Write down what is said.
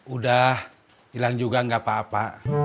udah hilang juga nggak apa apa